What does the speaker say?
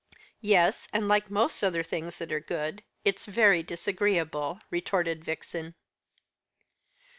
"Yes, and, like most other things that are good, it's very disagreeable," retorted Vixen.